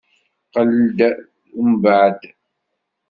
Qqel-d umbeεd.